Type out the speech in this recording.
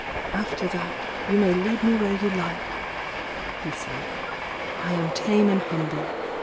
"After that, you may lead me where you like!" he said. "I am tame and humble!